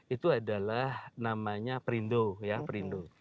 itu adalah namanya perindo ya perindo